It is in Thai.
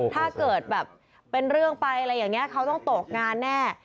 ถ้าเกิดแบบเป็นเรื่องไปอะไรอย่างนี้เขาต้องตกงานแน่